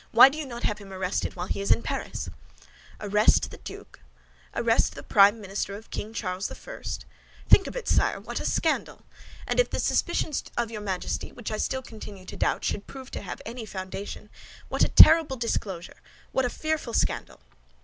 Why did you not have him arrested while in Paris?" "Arrest the Duke! Arrest the prime minister of King Charles I.! Think of it, sire! What a scandal! And if the suspicions of your Majesty, which I still continue to doubt, should prove to have any foundation, what a terrible disclosure, what a fearful scandal!"